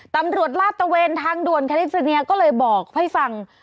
ตำรวจราตเตอร์เวรทางด่วนคาลิฟอร์เนียก็เลยบอกให้ฟัง